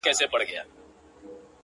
o خدايه ته لوی يې؛